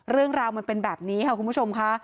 เรื่องราวมันเป็นแบบนี้ค่ะคุณผู้ชมค่ะ